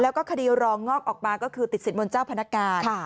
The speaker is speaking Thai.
แล้วก็คดีรองงอกออกมาก็คือติดสินบนเจ้าพนักงาน